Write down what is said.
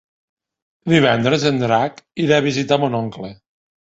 Divendres en Drac irà a visitar mon oncle.